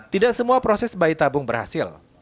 tidak semua proses bayi tabung berhasil